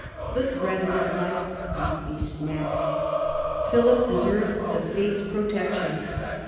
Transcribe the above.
The thread of his life must be snapped. Philip deserved the Fates' pro tection.